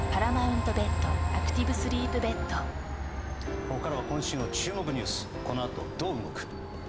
ここからは今週の注目ニュースこの後どう動く？